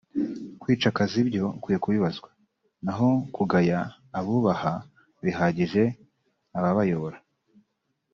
Kwica akazi byo ukwiye kubibazwa naho kugaya abubaha bihagije ababayobora